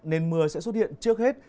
nên mưa sẽ xuất hiện trước hết